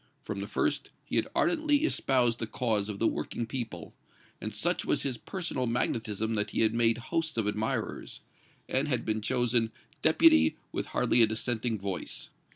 From the first he had ardently espoused the cause of the working people, and such was his personal magnetism that he had made hosts of admirers, and had been chosen Deputy with hardly a dissenting voice.